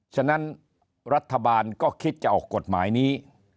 ฉะนั้นรัฐบาลก็คิดจะออกกฎหมายนี้